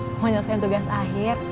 mau nyelesain tugas akhir